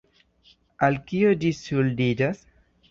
Al kio ĝi ŝuldiĝas?